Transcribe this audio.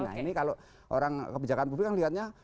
nah ini kalau orang kebijakan publik kan lihatnya